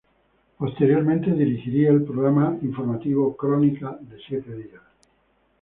Posteriormente dirigiría el programa informativo "Crónica de siete días".